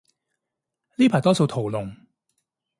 呢排多數屠龍